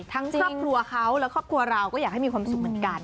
ครอบครัวเขาและครอบครัวเราก็อยากให้มีความสุขเหมือนกัน